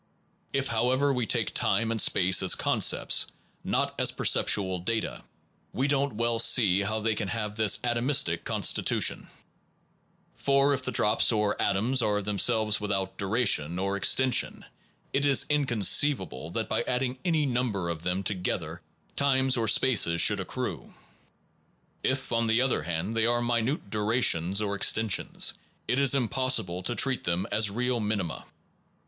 If, however, we take time and space as con cepts, not as perceptual data, we don t well see how they can have this atomistic constitu tion. For if the drops or atoms are themselves without duration or extension it is inconceiv able that by adding any number of them to The con gether times or spaces should accrue. tinuity theory If, on the other hand, they are mi nute durations or extensions, it is impossible to treat them as real minima.